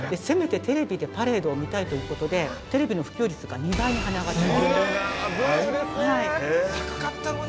せめてテレビでパレードを見たいということで、テレビの普及率が２倍にはね上がりました。